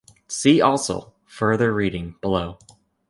See also "Further Reading", below.